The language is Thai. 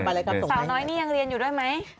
สาวน้อยนี่ยังเรียนอยู่ได้มั้ย